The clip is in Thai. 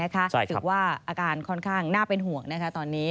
ถือว่าอาการค่อนข้างน่าเป็นห่วงตอนนี้